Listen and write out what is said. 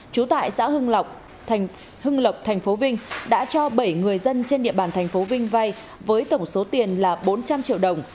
trú tại xã hưng lộc tp vinh đã cho bảy người dân trên địa bàn tp vinh vay với tổng số tiền là bốn trăm linh triệu đồng